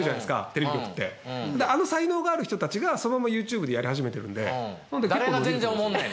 あの才能がある人たちがそのままＹｏｕＴｕｂｅでやり始めてるんでなので。